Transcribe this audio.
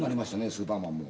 スーパーマンも。